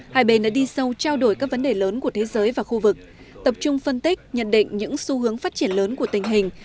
hai bên đã đi sâu trao đổi các vấn đề lớn của thế giới và khu vực tập trung phân tích nhận định những xu hướng phát triển lớn của tình hình